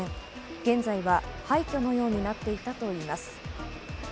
現在は廃虚のようになっていたといいます。